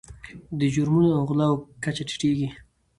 د جرمونو او غلاو کچه ټیټیږي.